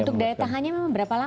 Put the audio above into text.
untuk daya tahannya memang berapa lama